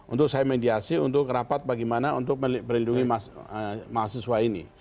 untuk saya mediasi untuk rapat bagaimana untuk melindungi mahasiswa ini